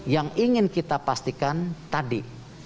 yang ingin kita pastikan tadi